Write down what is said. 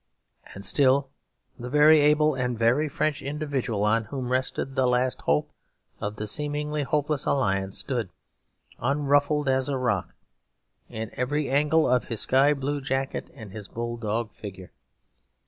And still the very able and very French individual on whom rested the last hope of the seemingly hopeless Alliance stood unruffled as a rock, in every angle of his sky blue jacket and his bulldog figure.